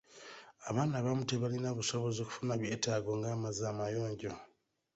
Abaana abamu tebalina busobozi kufuna byetaago ng'amazzi amayonjo.